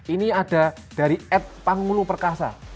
ini ada dari ed pangmulu perkasa